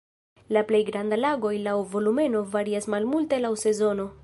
La plej grandaj lagoj laŭ volumeno varias malmulte laŭ sezono.